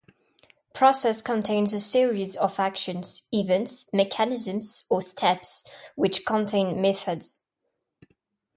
Process contains a series of actions, events, mechanisms, or steps, which contain methods.